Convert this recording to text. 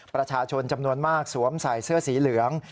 ประชาชนจำนวนมากสวมใส่เสื้อสีเหลือง